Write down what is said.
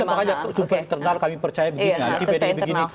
ya makanya survei internal kami percaya begini